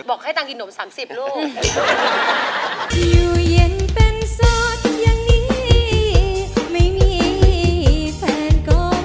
บอกให้ตังกินหนมสามสิบลูก